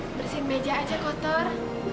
ah bersihin beja aja kotor